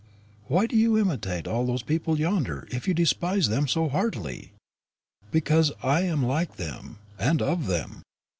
"Why do you imitate those people yonder, if you despise them so heartily?" "Because I am like them and of them.